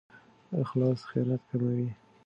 اخلاص خیانت کموي.